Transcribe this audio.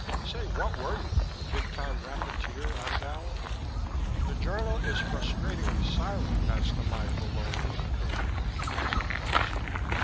"Say, what were you: a big time racketeer on Vallon?" "The journal is frustratingly silent as to my Vallonian career," said Foster.